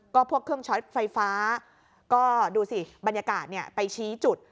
ก็พวกเครื่องช็อตไฟฟ้าก็ดูสิบรรยากาศไปชี้จุด